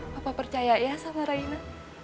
bapak percaya ya sama raina